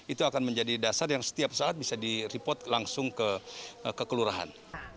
itu akan menjadi dasar yang setiap saat bisa di report langsung ke kelurahan